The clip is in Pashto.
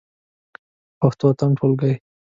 پښتو اتم ټولګی.